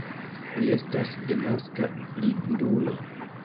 Li estas denaska blindulo.